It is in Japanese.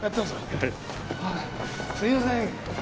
すいません